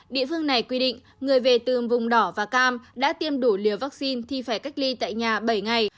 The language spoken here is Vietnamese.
địa phương này quy định người về từ vùng đỏ và cam đã tiêm đủ liều vaccine thì phải cách ly tại nhà bảy ngày